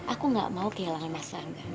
aku gak mau kehilangan masyarakat